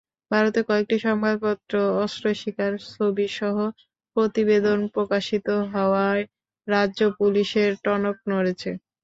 ভারতের কয়েকটি সংবাদপত্রে অস্ত্রশিক্ষার ছবিসহ প্রতিবেদন প্রকাশিত হওয়ায় রাজ্য পুলিশের টনক নড়েছে।